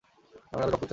আমি আরো রক্ত চাই।